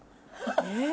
えっ！